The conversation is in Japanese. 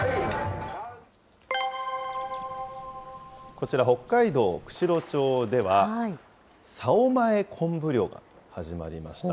こちら北海道釧路町では、棹前コンブ漁が始まりました。